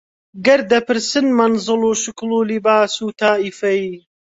گەر دەپرسن مەنزڵ و شکڵ و لیباس و تائیفەی